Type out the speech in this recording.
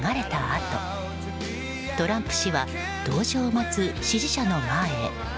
あとトランプ氏は登場を待つ支持者の前へ。